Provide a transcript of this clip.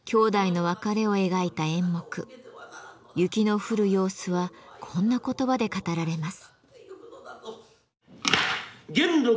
雪の降る様子はこんな言葉で語られます。